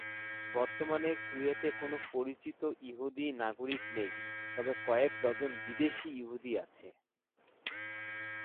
বর্তমানে কুয়েতে কোন পরিচিত ইহুদি নাগরিক নেই, তবে কয়েক ডজন বিদেশী ইহুদি আছে।